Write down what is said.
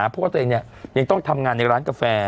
เพราะว่าตัวเองยังต้องทำงานในร้านกาแฟ